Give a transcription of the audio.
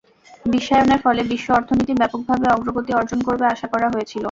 বিশ্বায়নের ফলে বিশ্ব অর্থনীতি ব্যাপকভাবে অগ্রগতি অর্জন করবে আশা করা হয়েছিল।